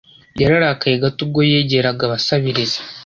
Yararakaye gato ubwo yegeraga abasabiriza.